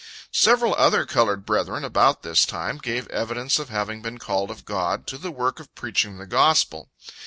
Several other colored brethren, about this time, gave evidence of having been called of God, to the work of preaching the gospel.